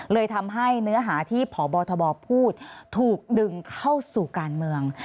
เลยทำให้เนื้อหาที่พบทบพูดถูกดึงเข้าสู่การเมือง